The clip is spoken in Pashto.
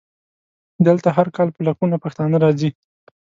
دلته هر کال په لکونو پښتانه راځي.